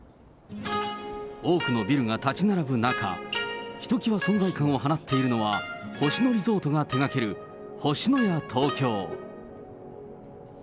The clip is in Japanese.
多くのビルが建ち並ぶ中、ひときわ存在感を放っているのは、星野リゾートが手がける、星のや東京。